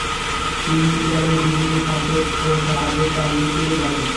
তিনি ইরানের বিভিন্ন শাসক ও শাহদের কাহিনী তুলে ধরেন।